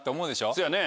そやね。